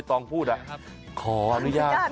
ขออนุญาตหน่อย